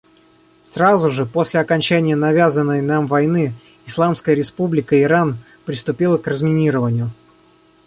Сразу же после окончания навязанной нам войны Исламская Республика Иран приступила к разминированию.